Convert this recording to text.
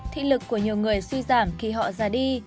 thị lực của nhiều người suy giảm khi họ già đi